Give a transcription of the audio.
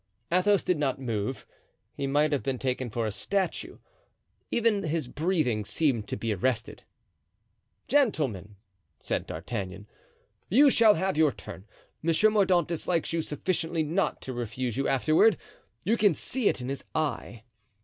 Athos did not move. He might have been taken for a statue. Even his breathing seemed to be arrested. "Gentlemen," said D'Artagnan, "you shall have your turn. Monsieur Mordaunt dislikes you sufficiently not to refuse you afterward. You can see it in his eye.